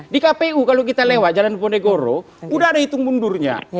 di kpu kalau kita lewat jalan ponegoro udah ada hitung mundurnya